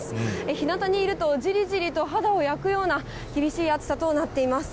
日なたにいるとじりじりと肌を焼くような厳しい暑さとなっています。